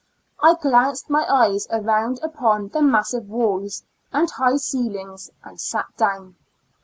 I glanced my eyes around upon the massive walls, and high ceilings, and sat down.